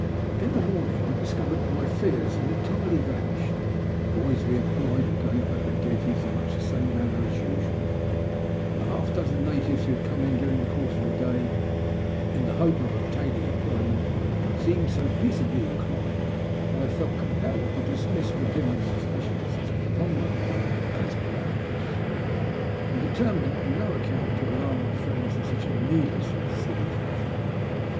In the morning I discovered that my fears had en tirely vanished. The boys we employed were going about their duties in much the same manner as usual, and the half dozen natives who had come in during the course of the day in the hope of obtaining employ ment, seemed so peaceably inclined that I felt com pelled to dismiss Mackinnon's suspicions from my mind as groundless, and determined on no account to alarm my friends in such needlessly silly fashion.